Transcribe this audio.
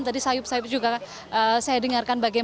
tadi sayup sayup juga saya dengarkan bagian itu